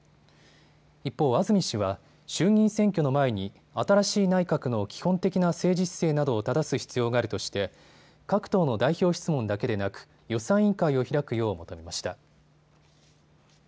一方、安住氏は衆議院選挙の前に新しい内閣の基本的な政治姿勢などをただす必要があるとして各党の代表質問だけでなく、予算委員会を開くよう求めました。